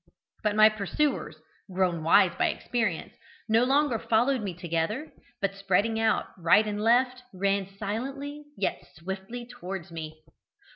But my pursuers, grown wise by experience, no longer followed me together, but, spreading out right and left ran silently yet swiftly towards me.